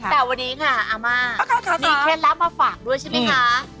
แต่วันนี้ค่ะอาม่ามีเคล็ดลับมาฝากด้วยใช่ไหมคะ